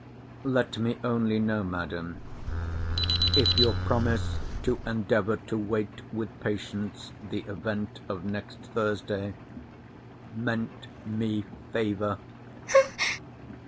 Let me only know, Madam, if your promise to endeavour to wait with patience the event of next Thursday meant me favour?